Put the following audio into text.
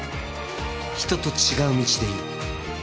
人と違う道でいい。